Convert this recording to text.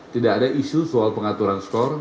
tidak ada isu soal pengaturan skor